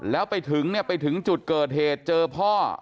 แล้วไปถึงเนี่ยไปถึงจุดเกิดเหตุเจอพ่อ